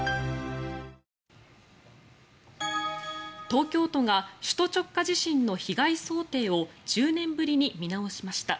東京都が首都直下地震の被害想定を１０年ぶりに見直しました。